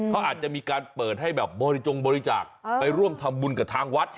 เขาอาจจะมีการเปิดให้แบบบริจงบริจาคไปร่วมทำบุญกับทางวัด